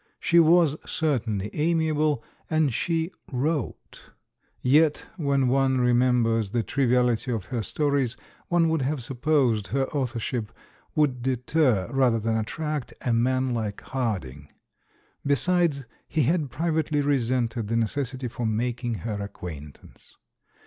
She was, certainly, amiable, and she "wrote"; yet when one remembers the triviahty of her stories, one would have supposed her authorship would deter, rather than attract, a man like Harding. Besides, he had privately resented the necessity for making her acquaint ance.